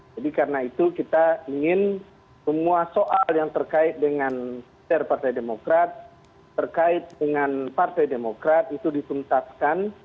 jadi karena itu kita ingin semua soal yang terkait dengan setiap partai demokrat terkait dengan partai demokrat itu disuntaskan